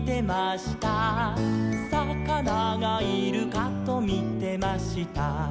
「さかながいるかとみてました」